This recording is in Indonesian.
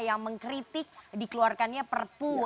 yang mengkritik dikeluarkannya perpu